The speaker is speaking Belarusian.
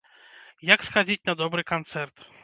Як схадзіць на добры канцэрт.